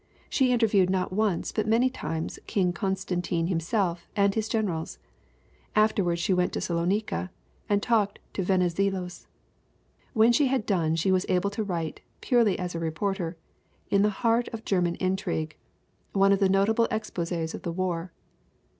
She interviewed not once but many times King Con stantine himself and his generals. Afterward she went to Salonica and talked with Venizelos. When she had done she was able to write, purely as a reporter, In the Heart of German Intrigue, one of the notable ex poses of the war.